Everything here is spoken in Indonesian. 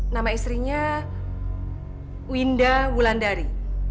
nama istrinya winda wulandari